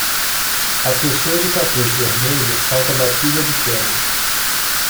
A pessoa de capuz vermelho salta da pilha de pedras.